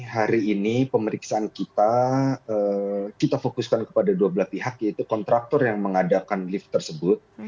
hari ini pemeriksaan kita kita fokuskan kepada dua belah pihak yaitu kontraktor yang mengadakan lift tersebut